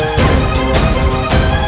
saya tidak akan menang